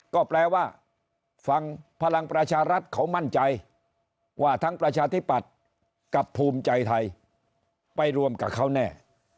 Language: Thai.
ก็แปลว่าฝั่งพลังประชารัฐเขามั่นใจว่าทั้งประชาธิปัตย์กับภูมิใจไทยไปรวมกับเขาแน่